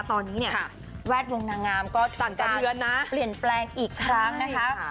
ตอนนี้เนี่ยแวดวงนางงามก็ถึงการเปลี่ยนแปลงอีกครั้งนะครับ